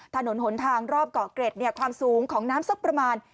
ถนนหนทางรอบเกาะเกร็ดเนี่ยความสูงของน้ำสักประมาณ